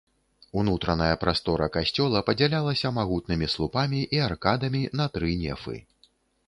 Унутраная прастора касцёла падзялялася магутнымі слупамі і аркадамі на тры нефы.